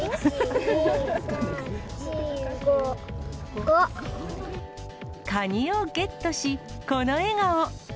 １、２、３、４、カニをゲットし、この笑顔。